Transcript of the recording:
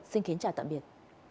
xin kính chào tạm biệt